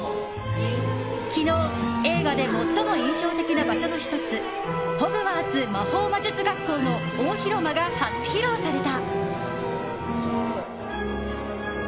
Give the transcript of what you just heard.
昨日、映画で最も印象的な場所の１つホグワーツ魔法魔術学校の大広間が初披露された。